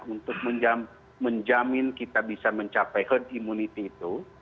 untuk menjamin kita bisa mencapai herd immunity itu